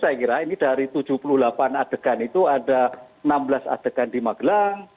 saya kira ini dari tujuh puluh delapan adegan itu ada enam belas adegan di magelang